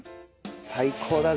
最高だぜ。